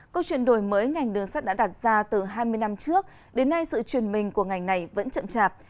câu chuyện đổi mới ngành đường sắt đã đặt ra từ hai mươi năm trước đến nay sự truyền mình của ngành này vẫn chậm chạp